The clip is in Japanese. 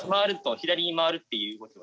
左に回るっていう。